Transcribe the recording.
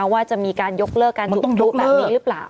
ว่าจะมีการยกเลิกการจุดพลุแบบนี้หรือเปล่า